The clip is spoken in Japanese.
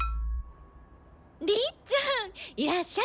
りっちゃんいらっしゃい。